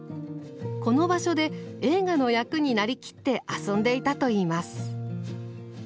この場所で映画の役に成りきって遊んでいたといいます。